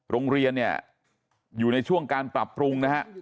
โรงเรียนเนี่ยอยู่ในช่วงการปรับปรุงนะฮะ